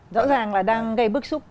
rõ ràng là đang gây bức xúc